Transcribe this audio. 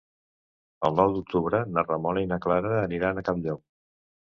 El nou d'octubre na Ramona i na Clara aniran a Campllong.